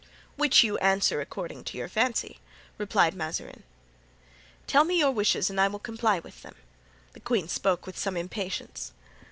"Which you answer according to your fancy," replied Mazarin. "Tell me your wishes and I will comply with them." The queen spoke with some impatience.